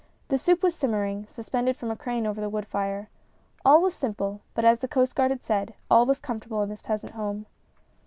The soup was simmering, suspended from a crane over the wood fire. All was simple, but as the Coast Guard had said, all was comfortable in this peasant home.